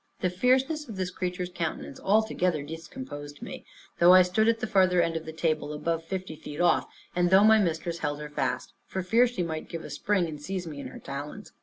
The fierceness of this creature's countenance altogether discomposed me; though I stood at the further end of the table, above fifty feet off; and though my mistress held her fast, for fear she might give a spring, and seize me in her talons.